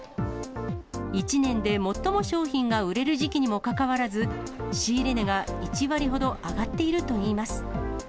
１年で最も商品が売れる時期にもかかわらず、仕入れ値が１割ほど上がっているといいます。